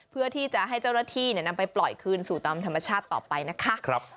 เพื่อที่จะให้เจ้าหน้าที่นำไปปล่อยคืนสู่ตามธรรมชาติต่อไปนะคะ